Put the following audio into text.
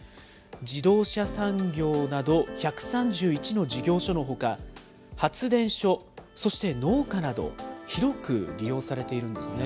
自動車産業など１３１の事業所のほか、発電所、そして農家など、広く利用されているんですね。